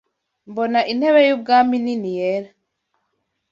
Mbona intebe y’ubwami nini yera